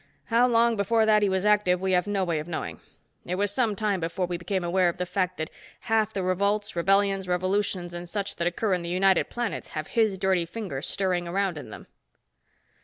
How long before that he was active, we have no way of knowing. It was some time before we became aware of the fact that half the revolts, rebellions, revolutions and such that occur in the United Planets have his dirty finger stirring around in them."